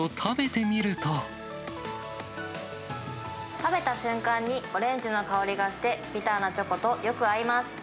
食べた瞬間に、オレンジの香りがして、ビターなチョコとよく合います。